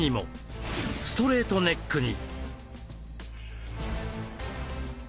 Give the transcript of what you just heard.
ストレートネックに。